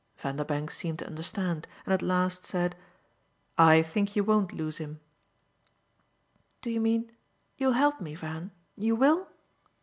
Vanderbank seemed to understand and at last said: "I think you won't lose him." "Do you mean you'll help me, Van, you WILL?"